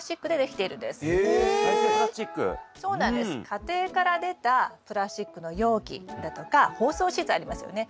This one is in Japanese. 家庭から出たプラスチックの容器だとか包装資材ありますよね。